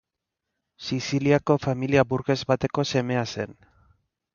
Siziliako familia burges bateko semea zen.